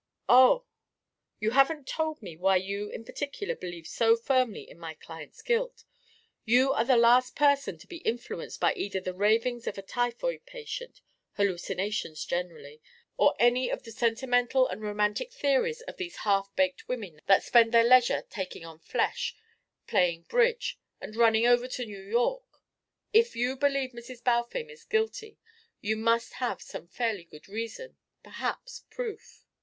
"Oh!" "You haven't told me why you in particular believe so firmly in my client's guilt. You are the last person to be influenced by either the ravings of a typhoid patient hallucinations, generally or any of the sentimental and romantic theories of these half baked women that spend their leisure taking on flesh, playing bridge, and running over to New York. If you believe Mrs. Balfame is guilty you must have some fairly good reason perhaps proof."